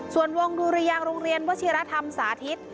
ส่วนวงดุรยางโรงเรียนวชิรธรรมสาธิต